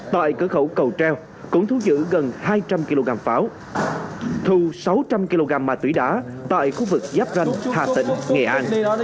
tại cờ khẩu cầu treo cũng thú giữ gần hai trăm linh kg pháo thù sáu trăm linh kg mạ tủy đá tại khu vực giáp ranh hà tĩnh nghệ an